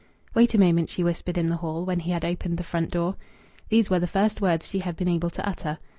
"Wait a moment," she whispered in the hall, when he had opened the front door. These were the first words she had been able to utter.